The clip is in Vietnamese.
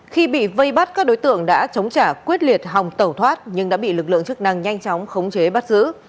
khi bị vây bắt các đối tượng đã chống trả quyết liệt hòng tẩu thoát nhưng đã bị lực lượng chức năng nhanh chóng khống chế bắt giữ